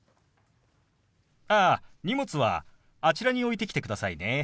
ああ荷物はあちらに置いてきてくださいね。